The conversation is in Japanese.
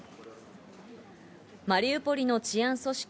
マリウポリの治安組織